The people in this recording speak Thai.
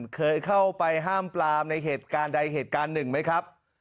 เคยเข้าไปห้ามปลามในเหตุการณ์ใดเหตุการณ์หนึ่งไหมครับ